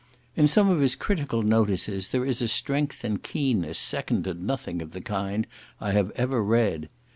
In some of his critical notices there is a strength and keenness second to nothing of the kind I have ever read.